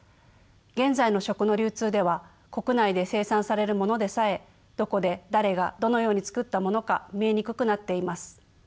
現在の食の流通では国内で生産されるものでさえどこで誰がどのようにつくったものか見えにくくなっています。